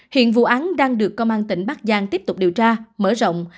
hiện vụ án đang được công an tỉnh bắc giang tiếp tục điều tra mở rộng